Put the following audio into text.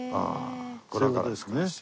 そういう事ですかね。